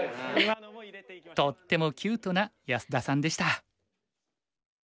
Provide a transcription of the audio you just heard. とってもキュートな安田さんでした。